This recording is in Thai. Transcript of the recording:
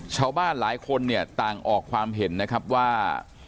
ชาวบ้านหลายคนเนี่ยต่างออกความเห็นนะครับว่า